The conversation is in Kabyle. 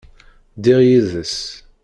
Ddiɣ yid-s.